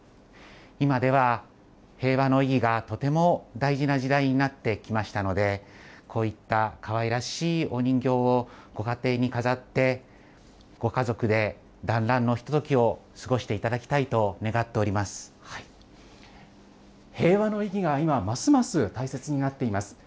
今では平和の意義がとても大事な時代になってきましたので、こういったかわいらしいお人形をご家庭に飾って、ご家族でだんらんのひとときを過ごしていただきたいと願っており平和の意義が今、ますます大切になっています。